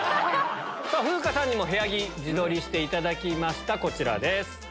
さぁ風花さんにも部屋着自撮りしていただきました。